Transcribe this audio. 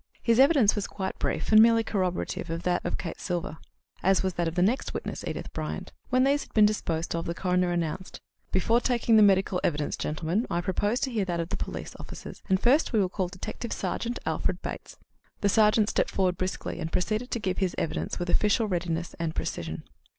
His evidence was quite brief, and merely corroborative of that of Kate Silver, as was that of the next witness, Edith Bryant. When these had been disposed of, the coroner announced: "Before taking the medical evidence, gentlemen, I propose to hear that of the police officers, and first we will call Detective sergeant Alfred Bates." The sergeant stepped forward briskly, and proceeded to give his evidence with official readiness and precision.